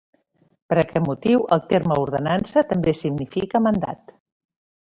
Per aquest motiu, el terme ordenança també significa mandat.